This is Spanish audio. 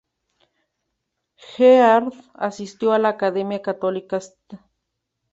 Heard asistió a la Academia católica St.